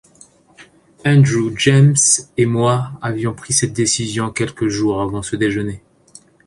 Andrew, James et moi avions pris cette décision quelques jours avant ce déjeuner.